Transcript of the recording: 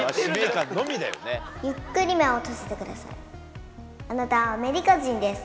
ゆっくり目を閉じてください。